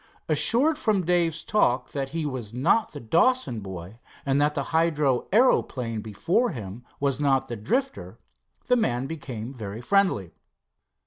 Assured from Dave's talk that he was not the Dawson boy, and that the hydro aeroplane before him was not the Drifter, the man became very friendly.